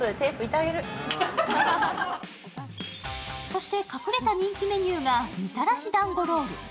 そして隠れた人気メニューがみたらし団子ロール。